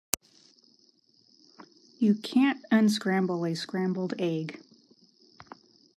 You can't unscramble a scrambled egg.